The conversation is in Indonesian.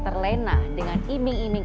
terlena dengan iming iming